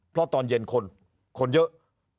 เพราะตอนเย็นคนเยอะ